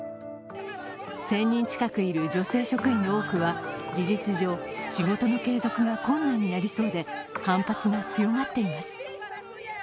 １０００人近くいる女性職員の多くは事実上、仕事の継続が困難になりそうで反発が強まっています。